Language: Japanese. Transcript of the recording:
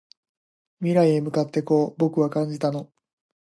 未来へ向かってこう僕は感じたの